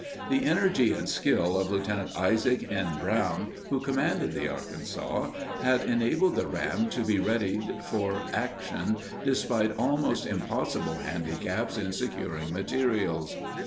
The energy and skill of Lt. Isaac N. Brown, who commanded the Arkansas, had enabled the ram to be readied for action despite almost impossible handicaps in securing materials.